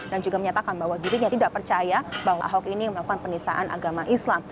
dan juga menyatakan bahwa dirinya tidak percaya bahwa ahok ini melakukan penistaan agama islam